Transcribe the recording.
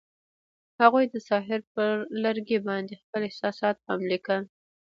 هغوی د ساحل پر لرګي باندې خپل احساسات هم لیکل.